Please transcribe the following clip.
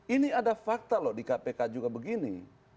ini ada fakta loh di kpk juga begini